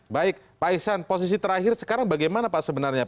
baik pak isan posisi terakhir sekarang bagaimana pak sebenarnya